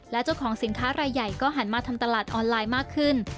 และเจ้าของสินค้ารายใหญ่ก็หันมาทำตลาดออนไลน์มากขึ้น